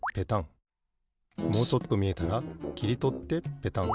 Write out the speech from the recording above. もうちょっとみえたらきりとってペタン。